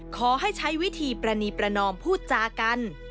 ขอให้ใช้วิธีปรณีประนอมพูดจากัน